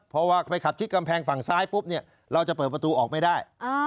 เพราะว่าไปขับชิดกำแพงฝั่งซ้ายปุ๊บเนี่ยเราจะเปิดประตูออกไม่ได้